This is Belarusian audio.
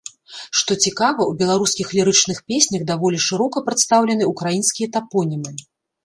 Што цікава, у беларускіх лірычных песнях даволі шырока прадстаўлены украінскія тапонімы.